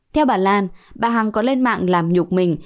theo bà lan bà hằng có lên mạng làm nhục mình